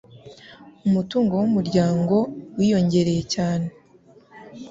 Umutungo wumuryango wiyongereye cyane